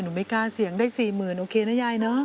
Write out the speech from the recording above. หนูไม่กล้าเสี่ยงได้๔๐๐๐๐บาทโอเคนะยายนะ